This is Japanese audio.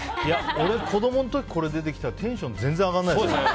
俺、子供の時これ出てきたらテンション全然上がらないです。